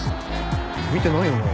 見てないよな？